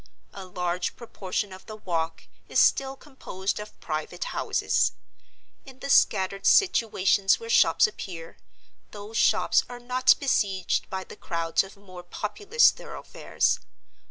A large proportion of the Walk is still composed of private houses. In the scattered situations where shops appear, those shops are not besieged by the crowds of more populous thoroughfares.